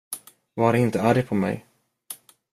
Var inte arg på mig.